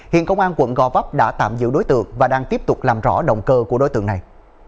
hiện công an quận gò vấp đã tạm giữ đối tượng và đang tiếp tục làm rõ động cơ của đối tượng này